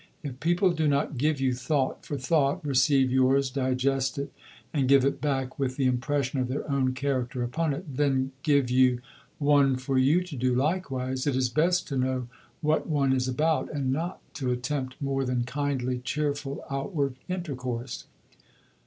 If people do not give you thought for thought, receive yours, digest it, and give it back with the impression of their own character upon it, then give you one for you to do likewise, it is best to know what one is about, and not to attempt more than kindly, cheerful outward intercourse.